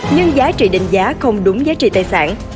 nhưng giá trị định giá không đúng giá trị tài sản